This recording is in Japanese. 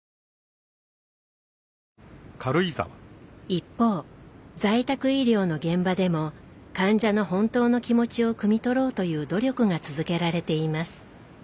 一方在宅医療の現場でも患者の本当の気持ちをくみ取ろうという努力が続けられています。